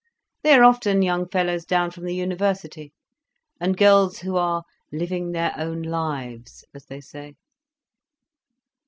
They are often young fellows down from the University, and girls who are living their own lives, as they say."